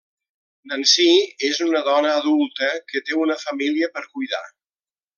Nancy és una dona adulta que té una família per cuidar.